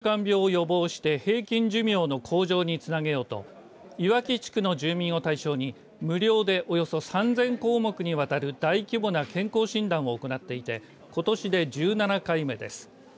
弘前大学と弘前市は生活習慣病を予防して平均寿命の向上につなげようと岩木地区の住民を対象に無料でおよそ３０００項目にわたる大規模な健康診断を行っていてことしで１７回目です。